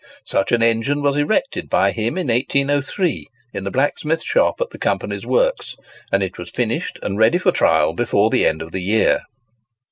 Such an engine was erected by him in 1803, in the blacksmiths' shop at the Company's works, and it was finished and ready for trial before the end of the year.